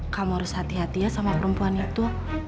kamu harus hati hatian sama perempuan itu